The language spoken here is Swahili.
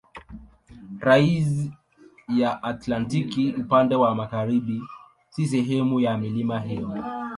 Rasi ya Antaktiki upande wa magharibi si sehemu ya milima hiyo.